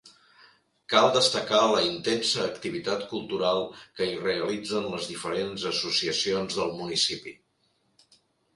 Cal destacar la intensa activitat cultural que hi realitzen les diferents associacions del municipi.